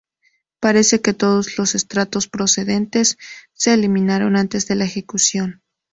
Parece que todos los estratos precedentes se eliminaron antes de la ejecución.